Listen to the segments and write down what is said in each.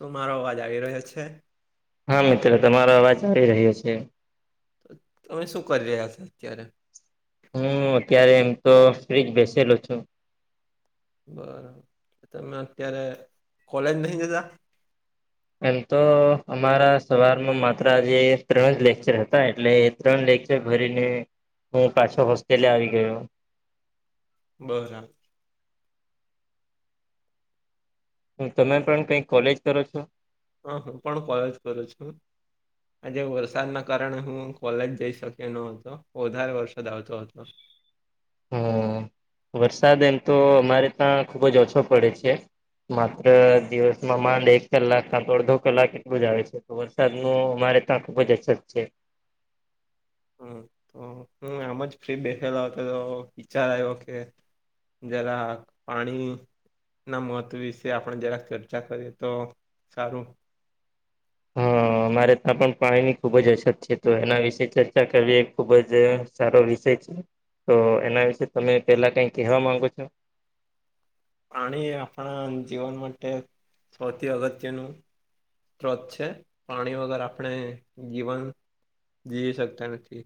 તો મારો અવાજ આવી રહ્યો છે. હા મિત્રો તમારો અવાજ આવી રહ્યો છે. તો તમે શું કરી રહ્યા છો અત્યારે. હું અત્યારે એમ તો ફ્રીજ બેસેલો છું. બરોબર તમે અત્યારે કોલેજ નહી જતા. એમ તો અમારા સવારમાં માત્ર આજે ત્રણ જ લેક્ચર હતા એટલે. ચિત્રન લેક ભરીને હું પાછ હોસ્ટેલ આવી ગયો. બરા હ તમે પણ કઈ કોલેજ કરો છો. હ હું પણ કોલજ કરું છું. આજે વરસાદના કારણે હું કોલેજ જઈ શક્યો ન હતો વધારે વરસાદ આવતો હતો. હમ વરસાદ એમ તો અમારે ત્યાં ખુબ જ ઓછો પડે છે. માત્ર દિવસમાં માંડ એક કલાક ક તો અડધો કલાક એટલું જ આવે છે. તો વરસાદ ન અમારે તાપ જ અસત છે. હમ તો હમ આમ જ ફ્રી બેઠેલો હતો તો વિચાર આવ્યો કે. જલા પાણી. ના મહત્વ વિશે આપણે જરાક ચર્ચા કરીએ તો સારું. હા અમારે ત્યાં પણ પાણીની ખુબ જ અછત છે તો એના વિશે ચર્ચા કરવી એ ખૂબ જ સારો વિષય છે. તો એના વિશે તમે પહેલાં કંઈ કહેવા માગો છો. પ્રણી આપણા જીવન માટે સૌથી અગત્યનું. ત્રોત છે પાણી વગર આપણે જીવન જીવી શકતા નથી.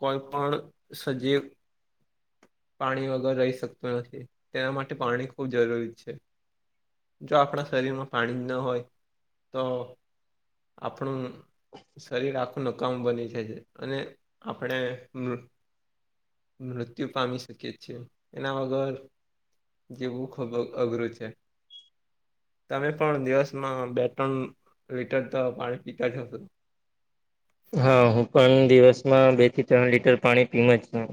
કોઈ પણણ સજીવ. પાણી વગર રહી શકતું નથી તેના માટે પાણી ખૂબ જરૂરી છે. જો આપણા શરીરમાં પાણી ન હોય તો. આપણું. શરીર આખું ન કામ બની છે અને આપણે. મૃત્યુ પામીશ. શકી છે એના વગર જીવવું ખૂબ અઘરું છે. તમે પણ દિવસમાં બે ત્રણ લીટર તો પાણી પીતા હશો. હા હું પણ દિવસમાં બે થી ત્રણ લીટર પાણી પીમ જ છ.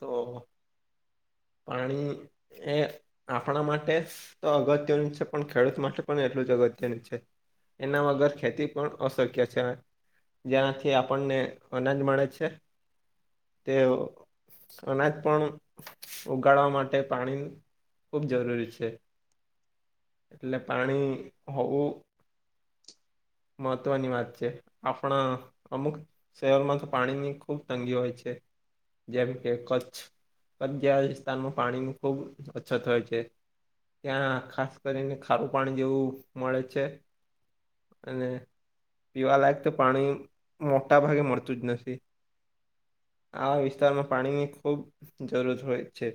તો. પાણી એ આપણા માટે. તો અગત્યનું છે પણ ખેડૂત માટે પણ એટલું જ અગત્યનું છે એના વગર ખેતી પણ અશક્ય છે. જેનાથી આપણને આનજ મળે છે. તે અનાજ પણ. ઉગાડવા માટે પાણી ખૂબ જરૂરી છે. એટલે પાણી હોવું. મહત્વની વાત છે આપણા અમુક. શહેરમાં તો પાણીની ખૂબ તંગી હોય છે જેમ કે કચ્છ. પણ ગ વિસ્તારમાં પાણીની ખૂબ અછત હોય છે. ત્યાં ખાસ કરીને ખારું પાણી જેવું મળે છે. અને. પીવા લયક તો પાણી મોટા ભાગે મળતું જ નથી. આ વિસ્તારમાં પાણીની ખૂબ. જરૂર હોય છે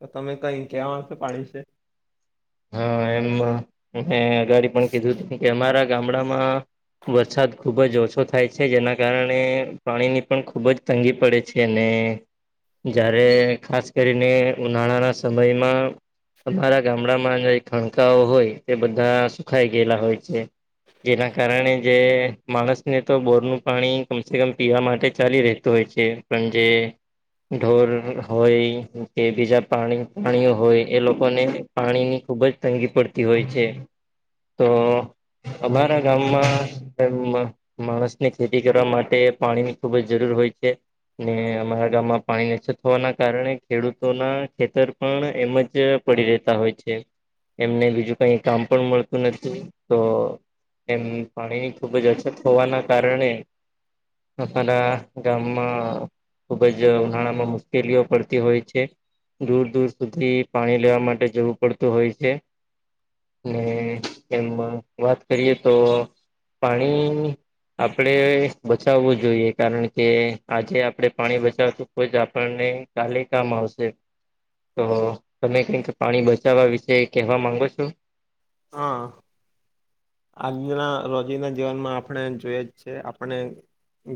તો તમે કઈ કવા આવશે પાણી છે. હા એમ મે અગાડી પણ કીધું હતું કે અમારા ગામડામાં. વરસાદ ખૂબ જ ઓછો થાય છે જેના કારણે પાણીની પણ ખૂબ જ. તંગી પડે છે અનેને. જયારે ખાસ કરીને ઉનાળાના સમયમાં અમારા ગામડામાં ખણકા હોય તે બધા સુખાય ગયેલા હોય છે. જેના કારણે જે માણસને તો બોરનું પાણી કમસે કમ પીવા માટે ચાલી રહેતું હોય છે. પણજે ઢોર હોય કે બીજા પાણી પાણીઓ હોય એ લોકોને પાણીની ખુબ જ તંગી પડતી હોય છે તો અમારા ગામમાં તેમ માણસની ખેતી કરવા માટે પાણી ની ખુબ જ જરૂર હોય છે. ને અમારા ગામમાં પાણી નછત હોવાના કારણે ખેડૂતોના ખેતર પણ એમ જ પડી રહેતા હોય છે. એમને બીજું કઈ કામ પણ મળતું નથી તો એમ પાણીની ખુબ જ અછત હોવાના કારણે અમારા ગામ મા ખુબ જ ઉનાળામાં મુશ્કેલીઓ પડતી હોય છે. દૂર દૂર સુધી પાણી લેવા માટે જવું પડતું હોય છે. ને એમમાં વાત કરીએ તો પાણી આપણે બચાવવું જોઈએ કારણ કે આજે આપણે પાણી બચાવતું ખ જ આપણને કાલે કામ આવશે તો તમે ક કે પાણી બચ વા વિશે કહેવા માંગો છો? હા. આજના રોજીના જીવનમાં આપણે જોઈ જ છે આપણે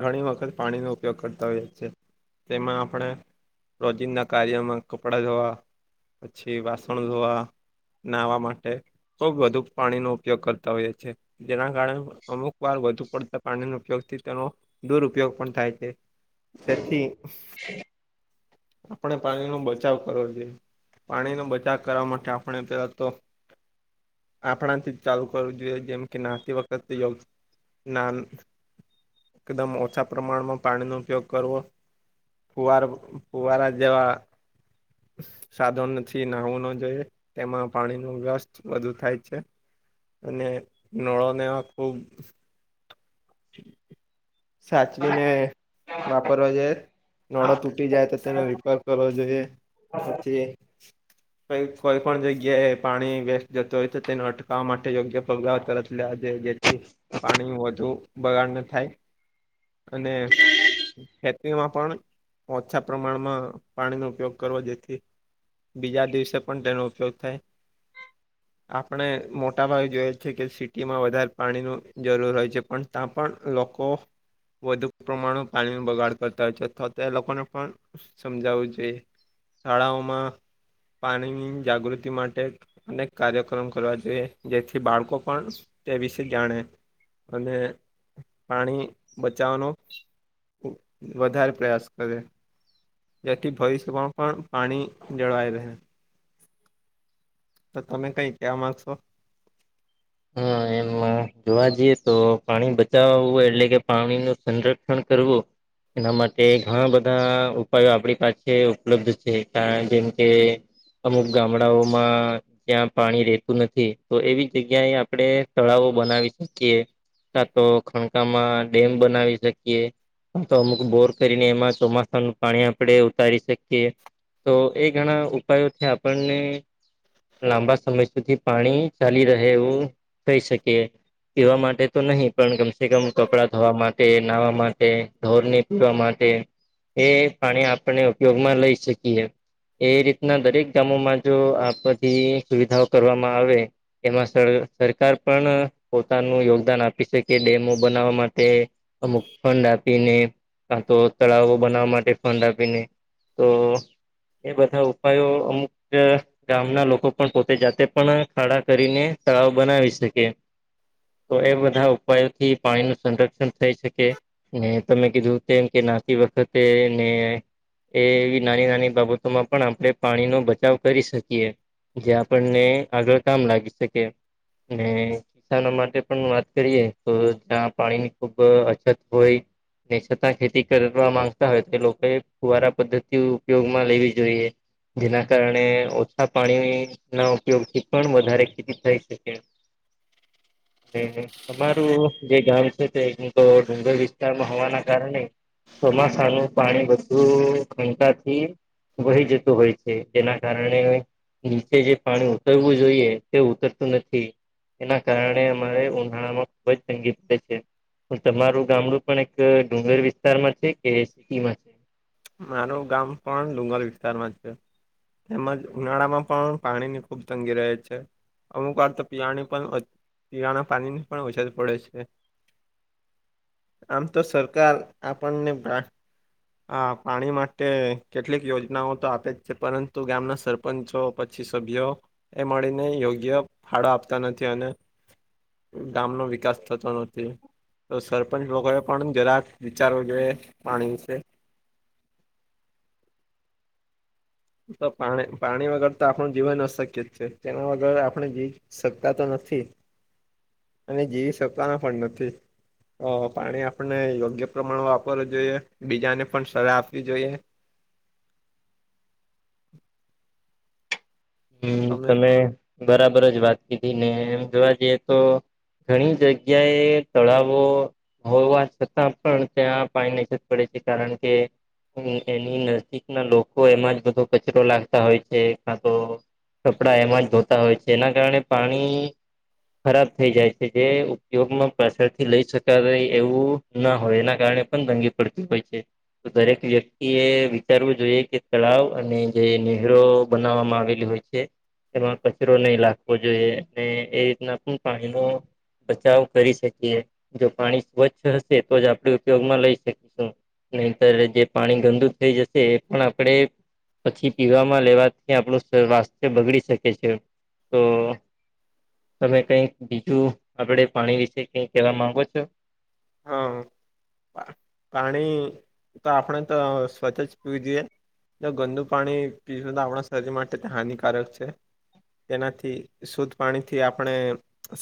ઘણી વખત પાણીનો ઉપયોગ કરતા હોઈએ છે તેમાં આપણે રોજિનદા ના કાર્યમાં કપડા ધોવા પછી વાસણ ધવા નાહવા માટે ખુબ વધુ પાણીનો ઉપયોગ કર હો જ છે. જેના કારણે અમુક વાર વધુ પડતા પાણીનો ઉપયોગથી તેનો દુરપયોગ પણ થાય છે. તેથી આપણે પાણી નો બચાવ કરવો જોઈએ. પાણીનો બચાવ કરવા માટે આપણે પેલા તો આપણાથી જ ચાલુ કરવું જોઈએ જેમ કે નાતી વખત યોગ ના એકદમ ઓછા પ્રમાણમાં પાણીનો ઉપયોગ કરવો. પુઆર પુવારા જેવા સાધન નથી નાહવું ન જોઈએ તેમાં પાણી ન વ્યસ્ત વધુ થાય છે. અને નળો નેવા ખુબ સાચવીને વાપરવા જોઈએ નડો તૂટી જાય તો તેને રિપેર કરવા જોઈએ. પછી કોઈ પણ જગ્યાએ પાણી વેસ્ટ જતો હોય તો તેને અટકાવવા માટે યોગ્ય પગલા તરફ લે છે જેથી પાણી વધુ બગાડ ન થાય. અને ખેતીમાં પણ ઓછા પ્રમાણમાં પાણીનો ઉપયોગ કરવો જેથી બીજા દિવસે પણ તેનો ઉપયોગ થાય આપણે મો મોટા ભાવ જોય છે કે સિટીમાં વધારે પાણીની જરૂર હોય છે પણ ત્યાં પણ લોકો વધુ પ્રમાણ પાણી બગાડ કરતા છે. તે લોકોને પણ સમજાવવું જોઈએ શાળાઓમાં પાણીની જાગૃતિ માટે અનેક કાર્યક્રમ કરવા જોઈએ. જેથી બાળકો પણ તે વિશે જાણે અને પાણી બચાવવાનો વધારે પ્રયાસ કરે. જેથી ભવિષ્યમાંમાં પણ પાણી જળવાઈ રહે. તો તમે કઈ ક્યાં માંગશો? હા એમાં જોવા જઈએ તો પાણી બચાવુંય એટલે કે પાણી ન સંરક્ષણ કરવું. એના માટે ઘણા બધા ઉપાયો આપણી પાસે ઉપલબ્ધ છે કાર જેમ કે અમુક ગામડાઓમાં ત્યાં પાણી રતું નથી તો એવી જગ્યા જગ્યા આપડણે તળાવો બનાવી શકીએ તો ખણકામાં ડેમ બનાવી શકીએ હ તો અમુક બોર કરીને એમાં ચોમાસાનું પાણી આપણે ઉતારી શકીએ તો એ ઘણા ઉપાયોથી આપણને લાંબા સમય સુધી પાણી ચાલી રહે એવું થઈ શકીએ પવા માટે તો નહી પણ કમસે કમ કપડાં ધવા માટે નાહવા માટે ઢોર ને પીવા માટે એ પાણી આપને ઉપયોગમાં લઈ શકીએ એ રીતના દરેક ગામોમાં જો આ બધી સુવિધાઓ કરવામાં આવે એમાં સરકાર પણ પોતાનું યોગદાન આપી શકે ડેમો બનાવવા માટે અમુક ફંડ આપીને કા તો તળાવો બનાવવા માટે ફંડ આપીને તો એ બધા ઉપાયો અમુક ગામના લોકો પણ પોતે જાતે પણ ખાડા કરીને તળાવ બનાવી શકે તો એ બધા ઉપાયોથી પાણી નું સંરક્ષણ થઈ શકે ને તમે કીધું તેમ કે નાતી વખતે ને એ એવી નાની નાની બાબતોમાં પણ આપણે પાણીનોો બચાવ કરી શકીએ જે આપણને આગળ કામ લાગી શકે કિસાનો માટે પણ વાત કરીએ તો જ્યાં પાણીની ખુબ અછત હોય છતાં ખેતી કરવા માંગતા હોય તો લોકોએ ફુવારા પદ્ધતિ ઉપયોગમાં લેવી જોઈએ જેના કારણે ઓછા પાણી ના ઉપયોગથી પણ વધારે ખેતી થઈ શકે હ અમારું જે ગામ છે તે તો ડુંગર વિસ્તારમાં હોવાના કારણે ચોમાસા નું પાણી વધુ ઘંટાથી વહી જતું હોય છે જેના કારણે નીચે જે પાણી કરવું જોઈએ તે ઉતરતું નથી એના કારણે અમારે ઉનાળા માં ખુબ જ સંગી છે તમારું ગામડું પણ એક ડુંગર વિસ્તારમાં છે કે સિટીમાં છે મારું ગામ પણણ ડુંગલ વિસ્તારમાં છે તેમજ ઉનાળામાં પણ પાણીની ખૂબ તંગી રહે છે અમુક વાર તો પીવાની પણ પીવાના પાણી ની પણ ઓછત પડે છે આમ તો સરકાર આપણને હા પાણી માટે કેટલીક યોજનાઓ તો આપે જ છે પરંતુ ગામના સરપંચો પછી સભ્યો એ મળીને યોગ્ય ફાડાો આપતા નથી અને ગામનોો વિકાસ થતો નથી તો સરપંચ વગોએ પણ જરાક વિચારવો જોઈએ પાણી વિશે તો પાણી પાણી વગર તો આપણું જીવન અશક્ય જ છે તેના વગર આપણે જ સત્તા તો નથી અને જેીવી સત્તા ન પણ નથી પાણી આપને યોગ્ય પ્રમાણ વાપરવું જોઈએ બીજાને પણ સલાહ આપવી જોઈએ હમ તમે બરાબર જ વાત કીધી ને એમ જોવા જઈએ તો ઘણી જગ્યાએ તળાવો હો વાત છતાં પણ ત્યાં પાણીની જ પડે છે કારણ કે એની નજીકના લોકો એમાં જ બધો કચરો લાગતા હોય છે કા તો કપડાં એમાં જ ધોતા હોય છે એના કારણે પાણી ખરાબ થઈ જાય છે જે ઉપયોગમાં પ્રછરથી લઈ શક એવું ના હોય એના કારણે પણ દંગી પડતી હોય છે તો દરેક વ્યક્તિ એ વિચારવું જોઈએ કે તળાવ અને જે નેહરો બનાવવામાં આવેલી હોય છે એમાં કચરો નહી લખવો જોઈએ એ રીતના પણ પાણીનો બચાવ કરી શકીએ જો પાણી સ્વચ્છ હશે તો જ આપણે ઉપયોગમાં લઈ શકીશું નહીતર જે પાણી ગંદુ થઈ જશે એ પણ આપણેે પછી પીવામાં લેવાથી આપણું સ્વાસ્થ્ય બગડી શકે છે તો તમે કઈક બીજું આગડ પાણી વિશે કઈક કહેવા માંગો છો હા પાણી તો આપણે તો સ્વચ્છ જ પીવું જોઈએ ગંદુ પાણી પીવ તો આપણા શરીર માટે તે હાનિકારક છે. તેનાથી શુદ્ધ પાણીથી આપણે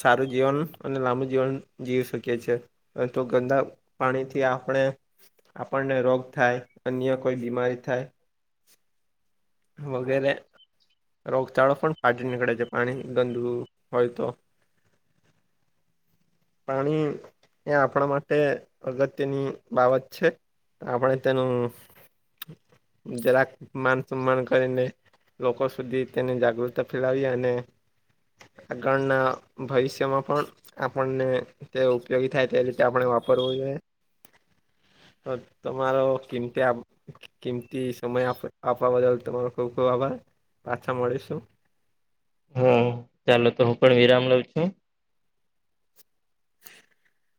સારું જીવન અને લાંબુ જીવન જીવી શકી છે. તો ગંદા પાણીથી આપણે આપણને રોગ થાય અન્ય કોઈ બીમારી થાય વગેરે રોગચાળો પણ પાાટી નીકળે છે પાણી ગંદુ હોય તો [inaudible] પાણી એ આપણા માટે અગત્યની બાબત છે. આપણે તેનું જરાક માન સન્માન કરીને લોકો સુધી તેને જાગૃતતા ફેલાવી અને આગળના ભવિષ્યમાં પણ આપણને તે ઉપયોગી થાય તે રીતે આપણે વાપરવું જોઈએ તો તમારો કિંમતે કિંમતી સમય આપવા બદલ તમારો ખૂબ ખૂબ આભાર પાછા મળીશું. હ ચાલો તો હું પણ વિરામ લઉં છું. [inaudible]